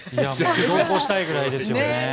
同行したいぐらいですね。